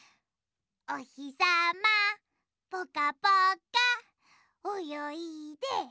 「おひさまぽかぽか」およいでおよいで。